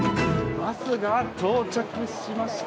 バスが到着しました。